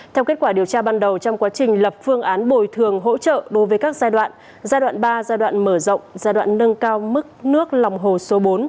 theo kết quả điều tra ban đầu trong quá trình lập phương án bồi thường hỗ trợ đối với các giai đoạn giai đoạn ba giai đoạn mở rộng giai đoạn nâng cao mức nước lòng hồ số bốn